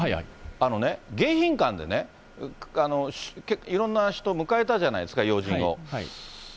あのね、迎賓館でね、いろんな人、迎えたじゃないですか、要人を。